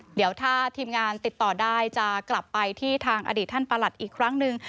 เดี๋ยวถ้าทีมงานติดต่อได้จะกลับไปที่ทางอดีตท่านประหลัดอีกครั้งหนึ่ง